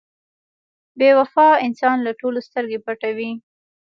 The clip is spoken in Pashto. • بې وفا انسان له ټولو سترګې پټوي.